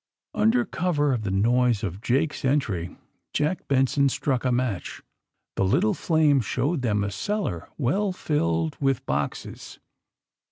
Under cover of the noise of Jake's entry Jack Benson struck a match. The little flame showed them a cellar well filled with boxes.